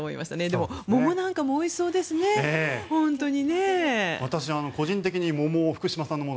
でも桃なんかもおいしそうですね、本当に。